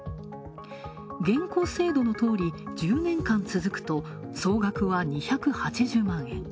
現行制度のとおり１０年間続くと総額は２８０万円。